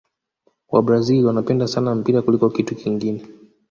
wabrazil wanapenda sana mpira kuliko kitu kingine